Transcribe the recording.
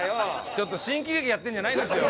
ちょっと新喜劇やってんじゃないんですよ。